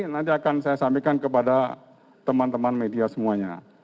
nanti akan saya sampaikan kepada teman teman media semuanya